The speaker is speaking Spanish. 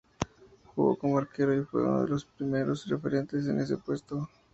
Jugó como arquero, y fue uno de los primeros referentes en ese puesto.